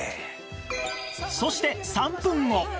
そして３分後